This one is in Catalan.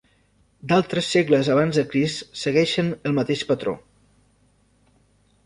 D'altres segles abans de Crist segueixen el mateix patró.